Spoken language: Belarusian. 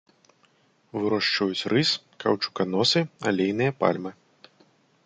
Вырошчваюць рыс, каўчуканосы, алейныя пальмы.